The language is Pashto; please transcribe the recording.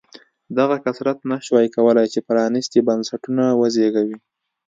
دغه کثرت نه شوای کولای چې پرانېستي بنسټونه وزېږوي.